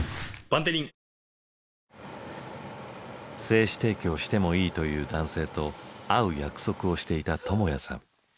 精子提供してもいいという男性と会う約束をしていたともやさん。